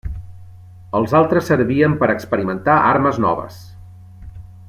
Els altres servien per a experimentar armes noves.